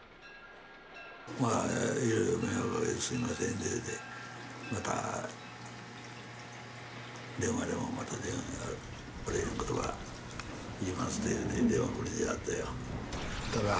いろいろ迷惑かけてすみませんって言うて、電話でもまたお礼のことば言いますっていう電話くれはって。